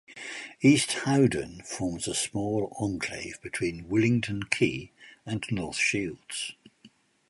East Howdon forms a small enclave between Willington Quay and North Shields.